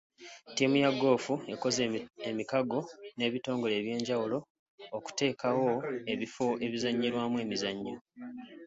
Ttiimu ya goofu ekoze emikago n'ebitongole eby'enjawulo okuteekawo ebifo ebizannyirwamu emizannyo.